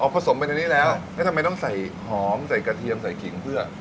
ผสมไปในนี้แล้วแล้วทำไมต้องใส่หอมใส่กระเทียมใส่ขิงเพื่อ